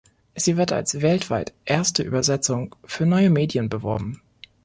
Sie wird als „weltweit erste Übersetzung für neue Medien“ beworben.